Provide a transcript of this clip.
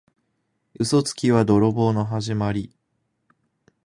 嘘つきは泥棒のはじまり。